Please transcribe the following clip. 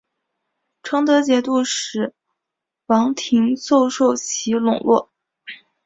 成德节度使王廷凑受其笼络。